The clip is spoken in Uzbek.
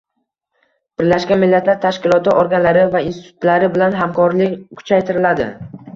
Birlashgan Millatlar Tashkiloti organlari va institutlari bilan hamkorlik kuchaytiriladi.